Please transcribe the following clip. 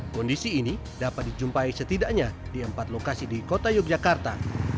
kondisi ini dapat dijumpai setidaknya di empat lokasi di kota yogyakarta